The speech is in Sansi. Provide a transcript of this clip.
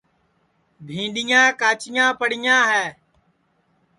بھینٚڈؔیا کاچیاں پڑیاں ہے